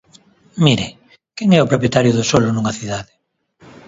Mire, ¿quen é o propietario do solo nunha cidade?